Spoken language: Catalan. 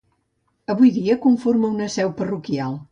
Avui dia conforma una seu parroquial.